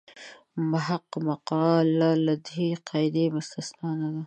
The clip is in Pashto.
د محق مقاله له دې قاعدې مستثنا نه ده.